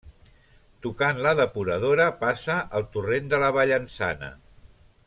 Tocant la depuradora passa el torrent de la Vallençana.